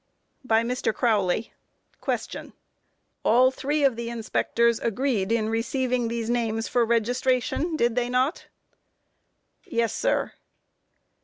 By MR. CROWLEY: Q. All three of the inspectors agreed in receiving these names for registration, did they not? A. Yes, sir.